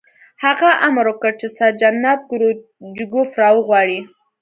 هغه امر وکړ چې سرجنټ کروچکوف را وغواړئ